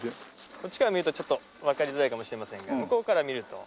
こっちから見るとちょっとわかりづらいかもしれませんが向こうから見ると。